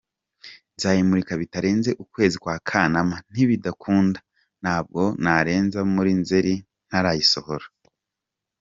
Nzayimurika bitarenze ukwezi kwa Kanama, nibidakunda ntabwo narenza muri Nzeri ntarayisohora.